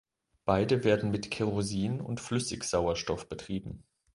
Beide werden mit Kerosin und Flüssigsauerstoff betrieben.